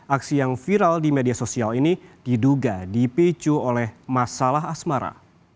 aksi yang viral di media sosial ini diduga dipicu oleh masalah asmara